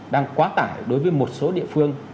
đang quá tải đối với một số địa phương